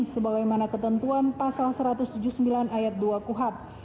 sebagaimana ketentuan pasal satu ratus tujuh puluh sembilan ayat dua kuhap